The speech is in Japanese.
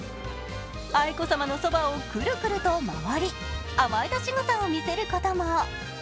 愛子さまのそばをクルクルと回り甘えたしぐさを見せることも。